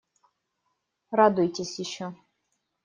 Радуйтесь ещё.